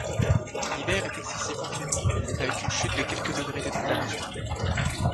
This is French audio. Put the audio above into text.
L'hiver est excessivement clément, avec une chute de quelques degrés des températures.